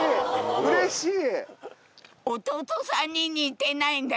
うれしい！